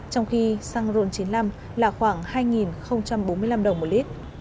trong khi xăng ron chín mươi năm là khoảng hai bốn mươi năm đồng một lít